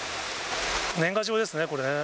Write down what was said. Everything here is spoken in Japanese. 年賀状ですね、これね。